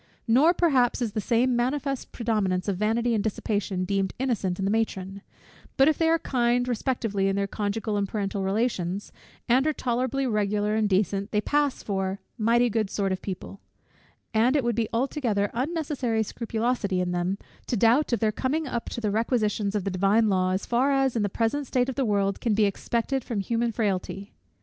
Nor perhaps is the same manifest predominance of vanity and dissipation deemed innocent in the matron: but if they are kind respectively in their conjugal and parental relations, and are tolerably regular and decent, they pass for mighty good sort of people; and it would be altogether unnecessary scrupulosity in them to doubt of their coming up to the requisitions of the divine law, as far as in the present state of the world can be expected from human frailty.